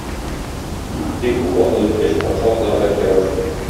Бик күп вакыт үткәч, патша атлары да килә башлый.